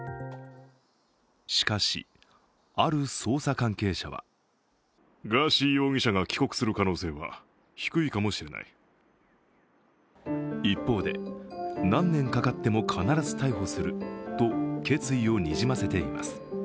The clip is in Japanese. しかし、ある捜査関係者は一方で、何年かかっても必ず逮捕すると決意をにじませています。